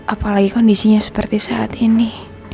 apalagi kondisinya seperti saat ini